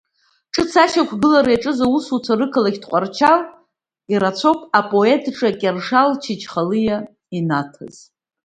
Ҿыц ашьақәгылара иаҿыз аусуцәа рықалақь Тҟәарчал ирацәоуп апоет ҿа Кьыршьал Чачхалиа инаҭаз.